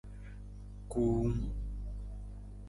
Kuung.